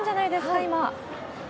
今。